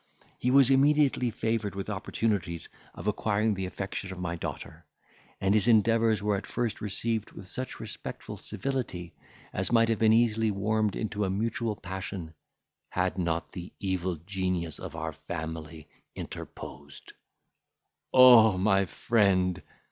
He was immediately favoured with opportunities of acquiring the affection of my daughter, and his endeavours were at first received with such respectful civility, as might have been easily warmed into a mutual passion, had not the evil genius of our family interposed. O my friend!